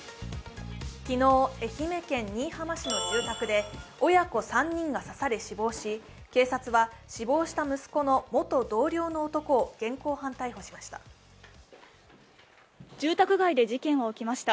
昨日愛媛県新居浜市の住宅で親子３人が刺され死亡し、警察は、死亡した息子の元同僚の男を現行犯逮捕しました。